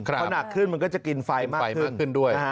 พอหนักขึ้นมันก็จะกินไฟมากขึ้นด้วย